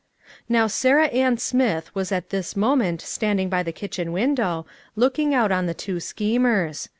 Now Sarah Ann Smith was at this moment standing by the kitchen window, looking out on the two schemers.